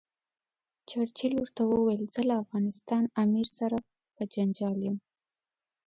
چرچل ورته وویل زه له افغانستان امیر سره په جنجال یم.